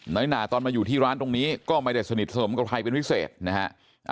หนาตอนมาอยู่ที่ร้านตรงนี้ก็ไม่ได้สนิทสนมกับใครเป็นพิเศษนะฮะ